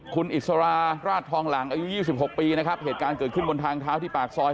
คุณอิสราราชทองหลังอายุ๒๖ปีนะครับเหตุการณ์เกิดขึ้นบนทางเท้าที่ปากซอย